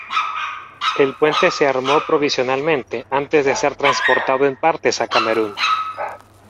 El puente se armó provisionalmente antes de ser transportado en partes a Camerún.